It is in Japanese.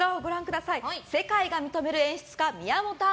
世界が認める演出家宮本亞